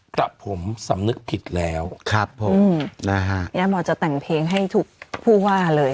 กับผมสำนึกผิดแล้วครับผมนะฮะแล้วหมอจะแต่งเพลงให้ทุกผู้ว่าเลย